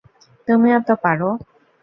তুমিও তা পারো।